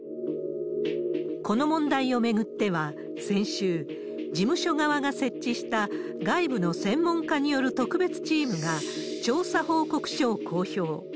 この問題を巡っては先週、事務所側が設置した外部の専門家による特別チームが調査報告書を公表。